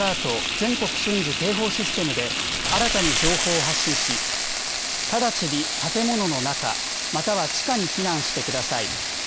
・全国瞬時警報システムで、新たに情報を発信し、直ちに建物の中、または地下に避難してください。